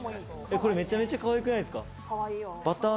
これ、めちゃめちゃかわいくないですか。